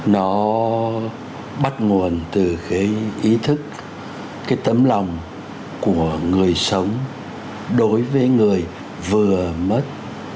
nó bắt nguồn từ cái ý thức cái tấm lòng của người sống đối với người vừa mất